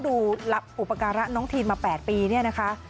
ดูอุปการะน้องทีนมา๘ปีเนี่ยนะคะ